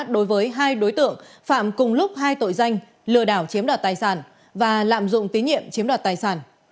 đối với hai đối tượng phạm cùng lúc hai tội danh lừa đảo chiếm đoạt tài sản và lạm dụng tín nhiệm chiếm đoạt tài sản